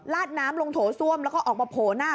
ดน้ำลงโถส้วมแล้วก็ออกมาโผล่หน้า